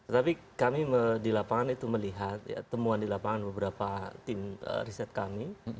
tapi kami di lapangan itu melihat temuan di lapangan beberapa tim riset kami